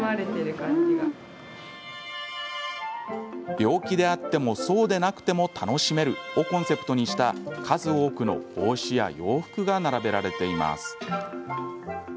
「病気であってもそうでなくても楽しめる」をコンセプトにした数多くの帽子や洋服が並べられています。